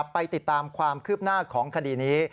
ไปติดตามความคืบหน้าของคดีนี้